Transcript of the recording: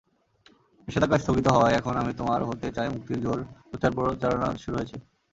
নিষেধাজ্ঞা স্থগিত হওয়ায় এখন আমি তোমার হতে চাই মুক্তির জোর প্রচার-প্রচারণা শুরু হয়েছে।